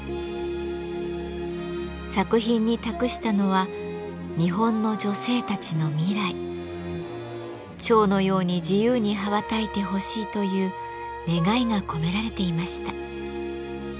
作品に託したのは蝶のように自由に羽ばたいてほしいという願いが込められていました。